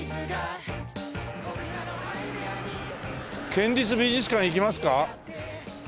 県立美術館行きますか？